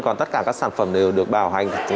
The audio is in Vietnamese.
còn tất cả các sản phẩm đều được bảo hành